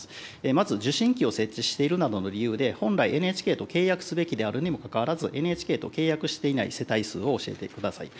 まず、受信機を設置しているなどの理由で、本来ＮＨＫと契約すべきであるにもかかわらず、ＮＨＫと契約していない世帯数を教えてください。